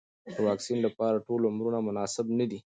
د واکسین لپاره ټول عمرونه مناسب نه دي.